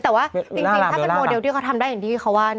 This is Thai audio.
แต่ว่าจริงถ้าเป็นโมเดลที่เขาทำได้อย่างที่เขาว่า